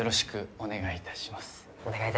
お願いいたします。